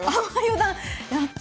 やったあ！